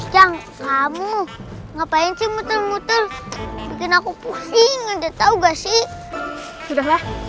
kepada surawi sesa